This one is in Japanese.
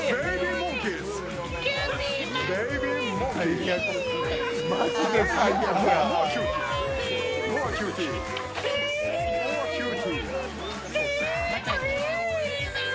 モアキューティー。